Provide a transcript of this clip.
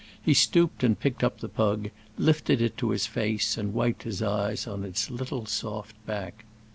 He stooped and picked up the pug, lifted it to his face and wiped his eyes on its little soft back.